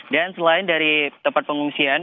dan selain dari tempat pengungsian